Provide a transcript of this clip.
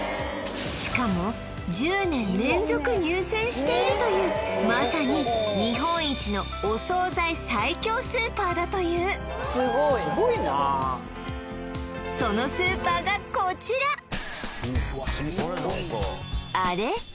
しかも１０年連続入選しているというまさに日本一のお惣菜最強スーパーだというすごいすごいなそのスーパーがこちらあれ？